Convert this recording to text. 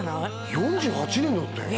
４８年だってえ